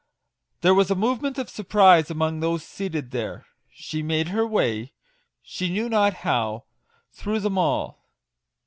There was a movement of surprise among those seated there : she made her way, she knew not how, through them all.